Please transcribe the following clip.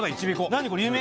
何これ有名？